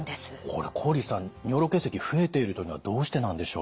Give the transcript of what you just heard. これ郡さん尿路結石増えているというのはどうしてなんでしょう？